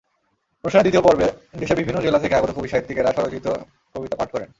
অনুষ্ঠানের দ্বিতীয় পর্বে দেশের বিভিন্ন জেলা থেকে আগত কবি-সাহিত্যিকেরা স্বরচিত কবিতা পাঠ করেন।